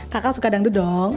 kakak suka dangdut dong